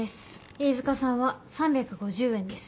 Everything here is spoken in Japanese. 飯塚さんは３５０円です。